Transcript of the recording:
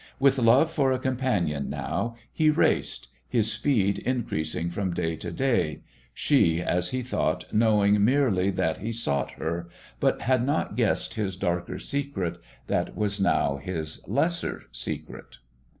With love for a companion now, he raced, his speed increasing from day to day, she, as he thought, knowing merely that he sought her, but had not guessed his darker secret that was now his lesser secret.